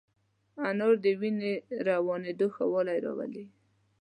انار د وینې روانېدو ښه والی راولي.